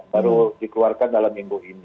baru dikeluarkan dalam minggu ini